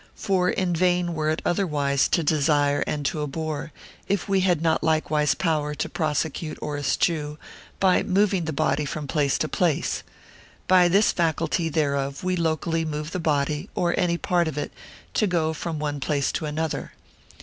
For in vain were it otherwise to desire and to abhor, if we had not likewise power to prosecute or eschew, by moving the body from place to place: by this faculty therefore we locally move the body, or any part of it, and go from one place to another.